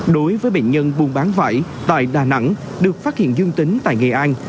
đối với bệnh nhân buôn bán vải tại đà nẵng được phát hiện dương tính tại nghệ an